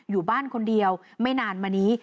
อยู่บ้านคนเดียวไม่นานมานี้